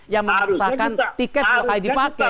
yang memaksakan tiket bakal dipakai